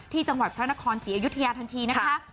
ที่จังหวัดพระนครศรีอยุธยาทันทีนะคะ